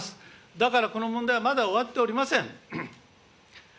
だからこの問題はまだ終わっておりません。